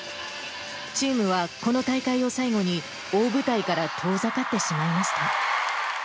チームはこの大会を最後に、大舞台から遠ざかってしまいました。